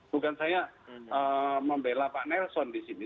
bukan saya membela pak nelson disini